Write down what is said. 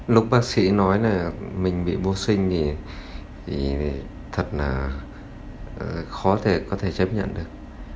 lúc bác sĩ nói là mình bị vô sinh thì thật là khó thể có thể chấp nhận được